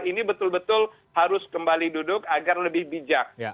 ini betul betul harus kembali duduk agar lebih bijak